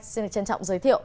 xin được trân trọng giới thiệu